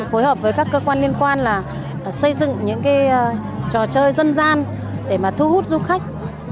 phối hợp với các cơ quan liên quan là xây dựng những trò chơi dân gian để thu hút du khách